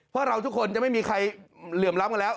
เพราะเราทุกคนจะไม่มีใครเหลื่อมล้ำกันแล้ว